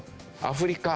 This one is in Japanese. アフリカ